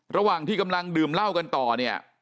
ระหว่างที่กำลังดื่มเหล้ากันต่อเนี่ย